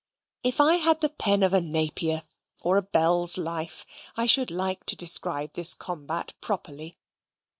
If I had the pen of a Napier, or a Bell's Life, I should like to describe this combat properly.